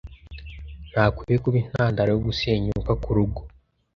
ntakwiye kuba intandaro yo gusenyuka k’urugo